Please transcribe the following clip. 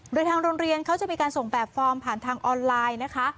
โดยทางโรงเรียนเขาจะมีการส่งแบบฟอร์มผ่านทางออนไลน์นะคะ